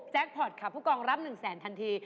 แจ็คพอร์ตค่ะผู้กองรับหนึ่งแสนทันที